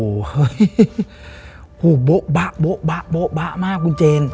โอ้โหโบ๊ะโบ๊ะบะมากคุณเจน